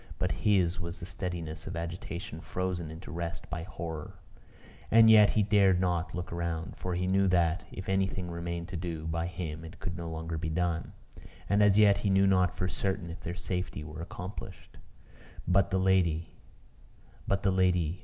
But his was the steadiness of agitation frozen into rest by horror. As yet he dared not to look round; for he knew that, if anything remained to do, by him it could no longer be done. And as yet he knew not for certain if their safety were accomplished. But the lady But the lady